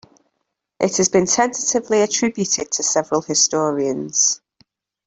It has been tentatively attributed to several historians.